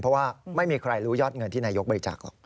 เพราะว่าไม่มีใครรู้ยอดเงินที่นายกบริจาคหรอก